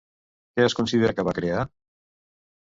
Què es considera que va crear?